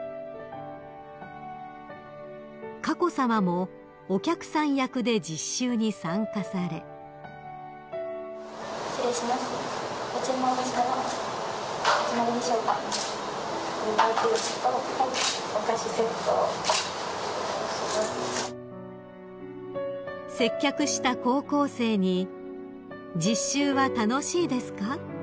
［佳子さまもお客さん役で実習に参加され］［接客した高校生に「実習は楽しいですか？」